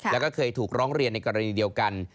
แล้วก็เคยถูกร้องเรียนในกรณีเดียวกัน